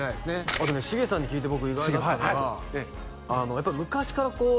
あとねしげさんに聞いて僕意外だったのが「やっぱり昔からこう何か」